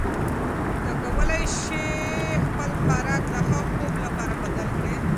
ته کولی شې خپل خوراک د ښه خوب لپاره بدل کړې.